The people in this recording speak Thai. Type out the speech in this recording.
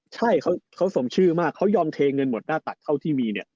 ใช่เขาสมชื่อมากเขายอมเทเงินหมดหน้าตักเท่าที่มีเนี่ย